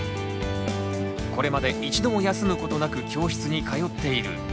これまで一度も休むことなく教室に通っている。